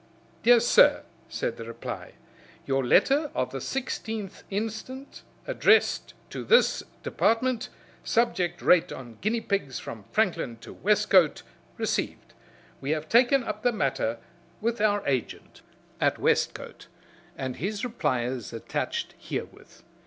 "Dr. Sir," said the reply. "Your letter of the 16th inst., addressed to this Department, subject rate on guinea pigs from Franklin to Westcote, ree'd. We have taken up the matter with our agent at Westcote, and his reply is attached herewith.